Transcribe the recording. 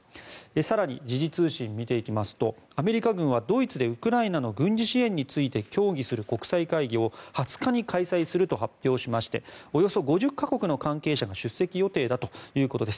更に時事通信、見ていきますとアメリカ軍はドイツでウクライナの軍事支援について協議する国際会議を２０日に開催すると発表しましておよそ５０か国の関係者が出席予定だということです。